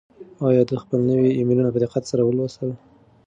آیا ده خپل نوي ایمیلونه په دقت سره ولوستل؟